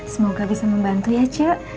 semoga bisa membantu ya cak